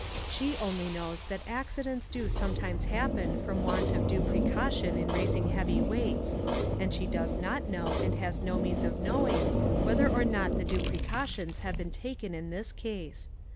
She only knows that accidents do sometimes happen from want of due precaution in raising heavy weights, and she does not know, and has no means of knowing, whether or not the due precautions have been taken in this case.